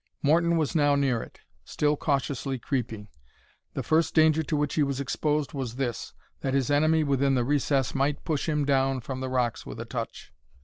Morton was now near it, still cautiously creeping. The first danger to which he was exposed was this; that his enemy within the recess might push him down from the rocks with a touch.